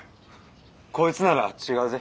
こいつなら違うぜ。